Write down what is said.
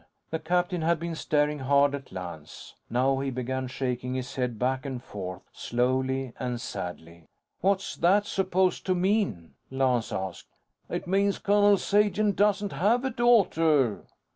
The captain had been staring hard at Lance. Now, he began shaking his head back and forth, slowly and sadly. "What's that supposed to mean?" Lance asked. "It means Colonel Sagen doesn't have a daughter."